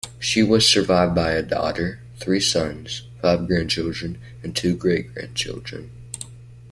She was survived by a daughter, three sons, five grandchildren; and two great-grandchildren.